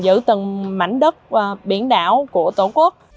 từ từng mảnh đất và biển đảo của tổ quốc